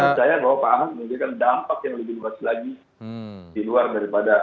saya percaya bahwa pak aho menjadikan dampak yang lebih luas lagi di luar daripada